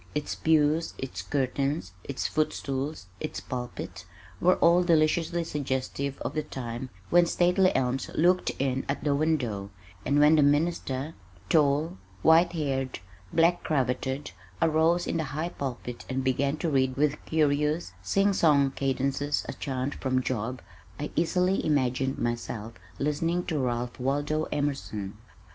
Its pews, its curtains, its footstools, its pulpit, were all deliciously suggestive of the time when stately elms looked in at the window, and when the minister, tall, white haired, black cravatted arose in the high pulpit and began to read with curious, sing song cadences a chant from Job I easily imagined myself listening to Ralph Waldo Emerson.